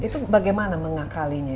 itu bagaimana mengakalinya